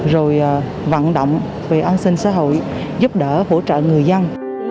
rồi vận động về an sinh xã hội giúp đỡ hỗ trợ người dân